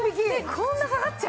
こんな下がっちゃう？